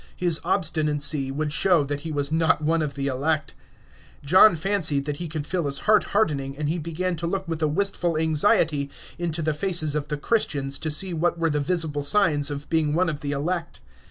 His obstinacy would show that he was not one of the elect. John fancied that he could feel his heart hardening, and he began to look with a wistful anxiety into the faces of the Christians to see what were the visible signs of being one of the elect.